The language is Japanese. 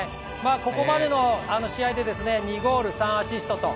ここまでの試合で２ゴール、３アシストと。